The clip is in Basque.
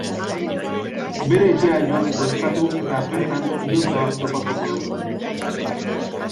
Bere etxera joateko eskatu eta bertan hilotza bat topatuko du.